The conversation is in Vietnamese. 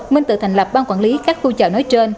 minh tự thành lập ban quản lý các khu chợ nói trên